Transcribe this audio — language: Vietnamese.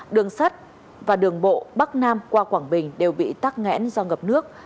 đường sắt và đường bộ bắc nam qua quảng bình đều bị tắc nghẽn do ngập nước